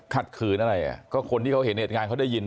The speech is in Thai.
ขัดขืนอะไรคนที่เขาเห็นเหตุงานเขาได้ยิน